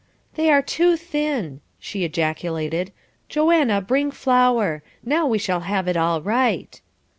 "They are too thin," she ejaculated. "Joanna, bring flour. Now we shall have it all right."